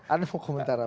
ada mau komentar apa